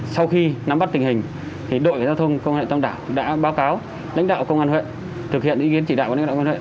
sau khi nắm bắt tình hình đội cảnh sát giao thông công an huyện tam đảo đã báo cáo lãnh đạo công an huyện thực hiện ý kiến chỉ đạo của lãnh đạo công an huyện